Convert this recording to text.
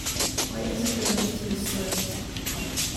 Why isn't the race to the swift?